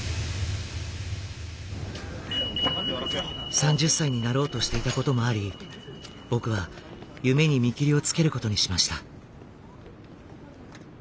３０歳になろうとしていたこともあり僕は夢に見切りをつけることにしました。